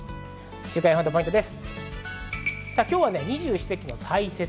週間予報とポイントです。